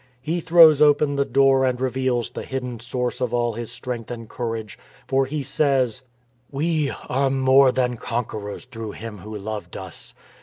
He throws open the door and reveals the hidden source of all his strength and courage. For, he says, MORE THAN CONQUEROR 361 WE ARE MORE THAN CONQUERORS THROUGH HIM THAT LOVED US.